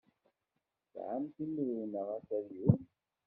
Tesɛamt imru neɣ akeryun?